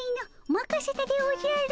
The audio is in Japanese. まかせたでおじゃる。